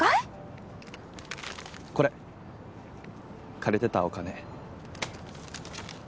これ借りてたお金。